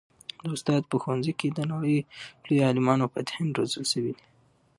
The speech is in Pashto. د استاد په ښوونځي کي د نړۍ لوی عالمان او فاتحین روزل سوي دي.